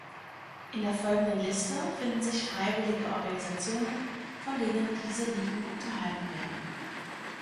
In der folgenden Liste finden sich freiwillige Organisationen, von denen diese Ligen unterhalten werden.